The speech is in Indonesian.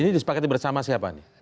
ini disepakati bersama siapa nih